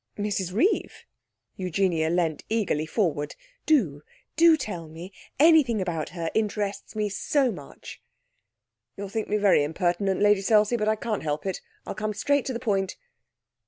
'Mrs Reeve?' Eugenia leant eagerly forward. 'Do, do tell me! Anything about her interests me so much.' 'You'll think me very impertinent, Lady Selsey. But I can't help it. I'll come straight to the point.'